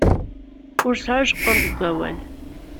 Ur sɛujqur deg awal.